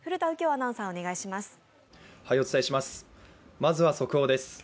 まずは速報です。